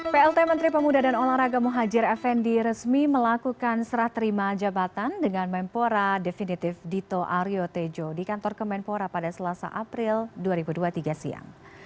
plt menteri pemuda dan olahraga muhajir effendi resmi melakukan serah terima jabatan dengan mempora definitif dito aryo tejo di kantor kemenpora pada selasa april dua ribu dua puluh tiga siang